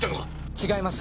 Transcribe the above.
違います。